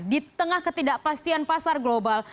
di tengah ketidakpastian pasar global